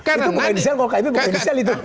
itu bukan inisial kalau kib bukan inisial itu